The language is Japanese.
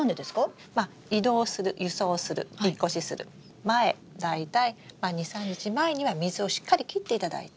まあ移動する輸送する引っ越しする前大体２３日前には水をしっかり切っていただいて。